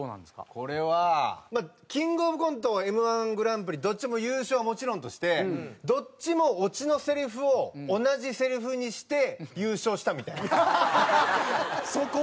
これはキングオブコントＭ−１グランプリどっちも優勝はもちろんとしてどっちもオチのせりふを同じせりふにして優勝したみたいな。